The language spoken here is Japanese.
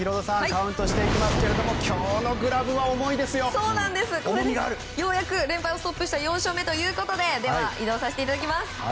カウントしていきますけどもようやく連敗をストップした４勝目ということで移動させていただきます。